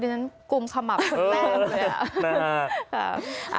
ดังนั้นกลุ่มขมับแรงเลยอะ